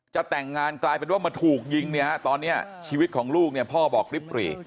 จะแต่งงานกลายเป็นว่ามาถูกยิงเนี่ยฮะตอนนี้ชีวิตของลูกเนี่ยพ่อบอกริบหรี่